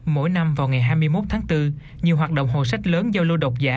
mỗi năm vào ngày hai mươi một tháng bốn nhiều hoạt động hồ sách lớn do lô đọc giả